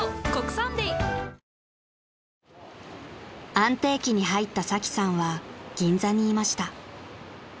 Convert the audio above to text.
［安定期に入ったサキさんは銀座にいました］